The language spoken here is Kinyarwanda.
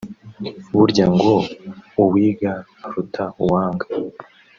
Burya ngo uwiga aruta uwanga